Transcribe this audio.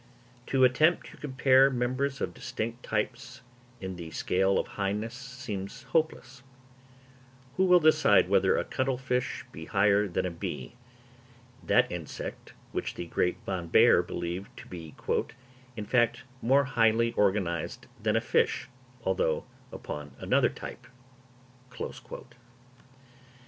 To attempt to compare members of distinct types in the scale of highness seems hopeless; who will decide whether a cuttle fish be higher than a bee—that insect which the great Von Baer believed to be "in fact more highly organised than a fish, although upon another type?"